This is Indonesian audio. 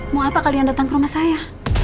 mau apa kalian datang ke rumah saya